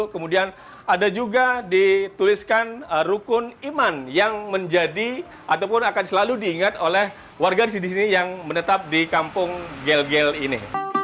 kemudian ada juga dituliskan rukun iman yang menjadi ataupun akan selalu diingat oleh warga di sini yang menetap di kampung gel gel ini